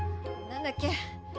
何だっけ？